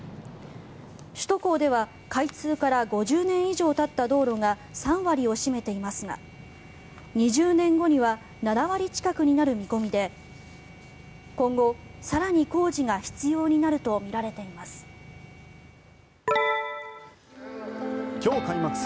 首都高では開通から５０年以上たった道路が３割を占めていますが２０年後には７割近くになる見込みで今後、更に工事が必要になるとみられています。